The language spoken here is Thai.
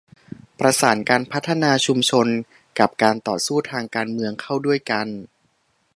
ประสานการพัฒนาชุมชนกับการต่อสู้ทางการเมืองเข้าด้วยกัน